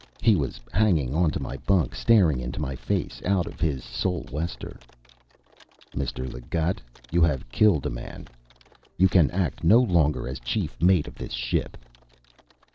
He was hanging on to my bunk, staring into my face out of his sou'wester. "'Mr. Leggatt, you have killed a man. You can act no longer as chief mate of this ship.